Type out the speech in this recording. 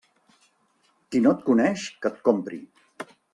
Qui no et coneix, que et compri.